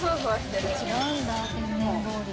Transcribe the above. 違うんだ